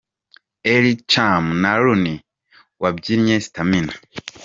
Elie Cham na Ronnie wabyinnye Stamina.